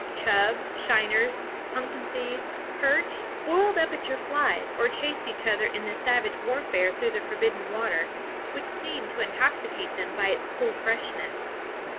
Chub, shiners, "punkin seeds," perch, boiled up at your flies, or chased each other in savage warfare through the forbidden water, which seemed to intoxicate them by its cool freshness.